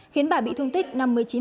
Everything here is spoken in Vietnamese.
khiến bà bị thương tích năm mươi chín